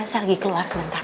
saya lagi keluar sebentar